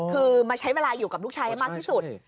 คือมาใช้เวลาอยู่กับลูกชายให้มากที่สุด